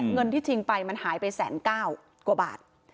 เงินที่ชิงไปมันหายไป๑๙๐๐กว่าบาท